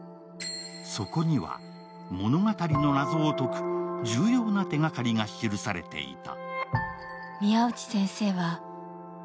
そこには物語の謎を解く重要な手がかりが記されていた。